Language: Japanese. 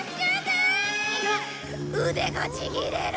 腕がちぎれる！